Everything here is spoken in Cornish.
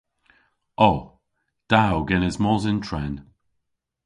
O. Da o genes mos yn tren.